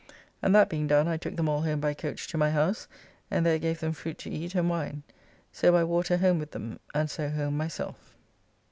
And that being done I took them all home by coach to my house and there gave them fruit to eat and wine. So by water home with them, and so home myself.